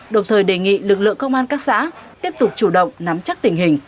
đồng thời đề nghị lực lượng công an các xã tiếp tục chủ động nắm chắc tình hình